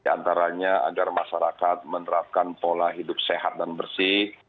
antaranya agar masyarakat menerapkan pola hidup sehat dan bersih